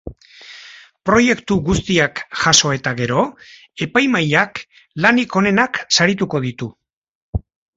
Proiektu guztiak jaso eta gero epaimahaiak lanik onenak sarituko ditu.